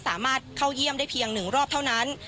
สามารถเข้าเยี่ยมได้เพียง๑รอบเท่านั้น